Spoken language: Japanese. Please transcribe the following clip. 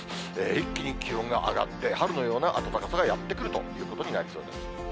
一気に気温が上がって、春のような暖かさがやって来るということになりそうです。